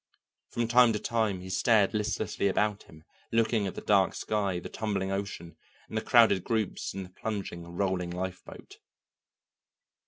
From time to time he stared listlessly about him, looking at the dark sky, the tumbling ocean, and the crowded groups in the plunging, rolling lifeboat.